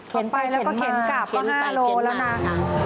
เข็นไปแล้วก็เข็นกลับ๕โลแล้วนะค่ะเข็นไปเข็นมาค่ะ